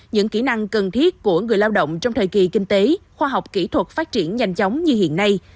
những kỹ năng cần thiết của người lao động trong thời kỳ kinh tế khoa học kỹ thuật phát triển nhanh chóng như hiện nay